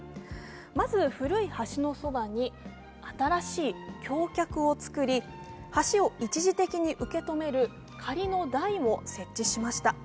まず、古い橋のそばに新しい橋脚を作り、橋を一時的に受け止める仮の台も設置しました。